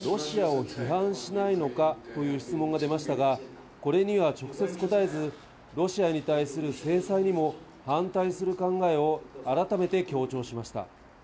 ただ、会見でも、中国政府がロシアを批判しないのかという質問が出ましたが、これには直接答えず、ロシアに対する制裁にも反対する考えを改めて強調しました。